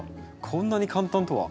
こんなに簡単とは。